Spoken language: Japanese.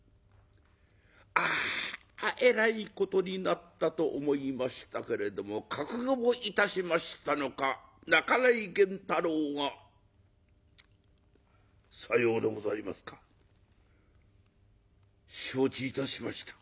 あえらいことになったと思いましたけれども覚悟をいたしましたのか半井源太郎が「さようでございますか。承知いたしました。